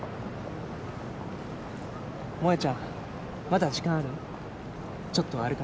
萌ちゃんまだ時間ある？